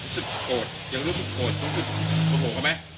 เกิดรู้สึกโกรธยังรู้สึกโกรธรู้สึกขอโปร่งอ่ะแม่